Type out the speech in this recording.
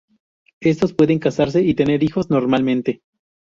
Estos pueden casarse y tener hijos normalmente.